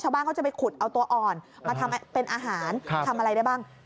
เขาจะไปขุดเอาตัวอ่อนมาทำเป็นอาหารทำอะไรได้บ้าง